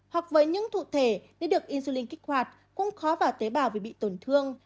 hoặc với những thụ thể nếu được insulin kích hoạt cũng khó vào tế bào vì bị tổn thương